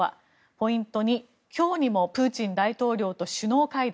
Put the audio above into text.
ポイント２、今日にもプーチン大統領と首脳会談。